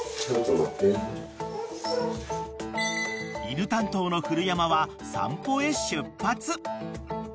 ［犬担当の古山は散歩へ出発］